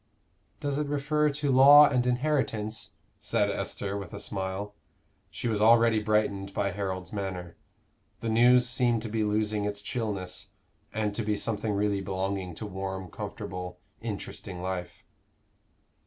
"Does it refer to law and inheritance?" said Esther, with a smile. She was already brightened by Harold's manner. The news seemed to be losing its chillness, and to be something really belonging to warm, comfortable, interesting life.